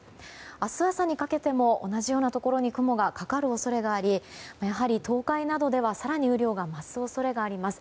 明日朝にかけても同じようなところに雲がかかる恐れがありやはり東海などでは更に雨量が増す恐れがあります。